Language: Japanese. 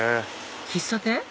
喫茶店？